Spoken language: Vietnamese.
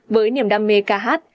với niềm đam mê ca hát